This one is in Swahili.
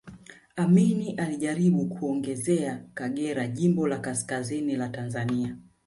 Amin alijaribu kuongezea Kagera jimbo la kaskazini la Tanzania